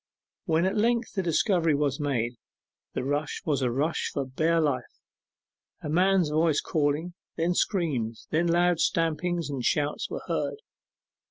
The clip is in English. When at length the discovery was made, the rush was a rush for bare life. A man's voice calling, then screams, then loud stamping and shouts were heard.